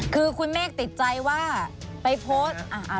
คือคุณเมฆติดใจว่าไปโพสต์